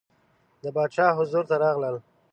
د باچا حضور ته راغلل.